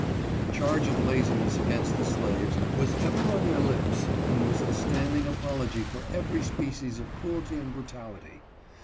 The charge of laziness against the slaves was ever on their lips and was the standing apology for every species of cruelty and brutality.